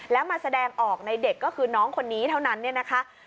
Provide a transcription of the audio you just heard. แล้วมาแสดงออกในเด็กก็คือน้องคนนี้เท่านั้นเนี่ยนะคะ